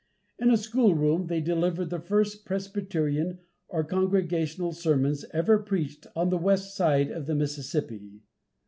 In a school room they delivered the first Presbyterian or Congregational sermons ever preached on the west side of the Mississippi.